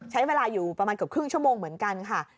ใช้เวลาอยู่ประมาณเกือบครึ่งชั่วโมงเหมือนกันค่ะ